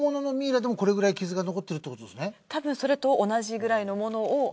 たぶんそれと同じくらいのものを。